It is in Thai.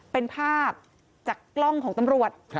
เป็นภาพจากกล้องของตำรวจ